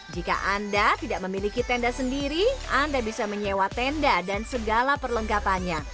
jika anda tidak memiliki tenda sendiri anda bisa menyewa tenda dan segala perlengkapannya